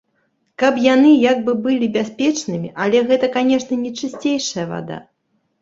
Каб яны як бы былі бяспечнымі, але гэта, канечне, не чысцейшая вада.